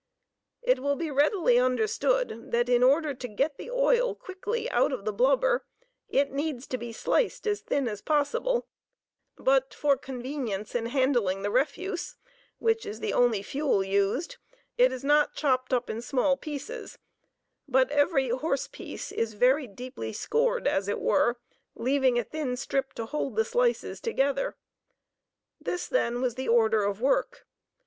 It will be readily understood that in order to get the oil quickly out of the blubber it needs to be sliced as thin as possible, but for convenience in handling the refuse (which is the only fuel used) it is not chopped up in small pieces, but every "horse piece" is very deeply scored, as it were, leaving a thin strip to hold the slices together. This, then, was the order of work.